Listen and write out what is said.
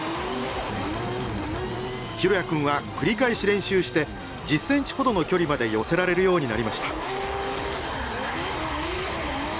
大也君は繰り返し練習して１０センチほどの距離まで寄せられるようになりました。